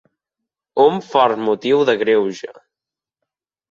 Un fort motiu de greuge.